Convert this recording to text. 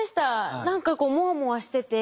何かこうモワモワしてて。